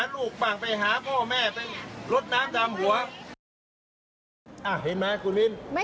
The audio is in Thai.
ก็ต้องมารถไปกระบวนทางหาข้าวกินค่ะ